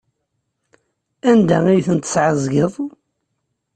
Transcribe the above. Anda ay ten-tesɛeẓgeḍ?